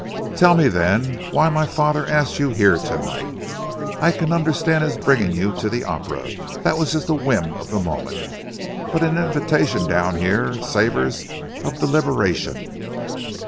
"Tell me, then, why my father asked you here to night? I can understand his bringing you to the opera, that was just a whim of the moment, but an invitation down here savours of deliberation.